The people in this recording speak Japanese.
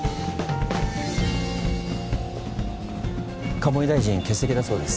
鴨井大臣欠席だそうです。